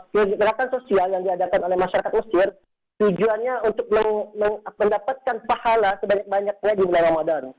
kegiatan sosial yang diadakan oleh masyarakat mesir tujuannya untuk mendapatkan pahala sebanyak banyaknya di bulan ramadan